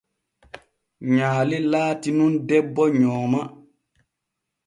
Nyaale latii nun debbo nyooma.